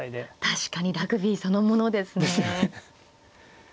確かにラグビーそのものですね。ですよね。